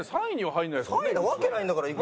３位なわけないんだから井口。